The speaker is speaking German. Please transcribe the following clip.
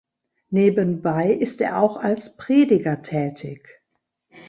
Nebenbei ist er auch als Prediger tätig.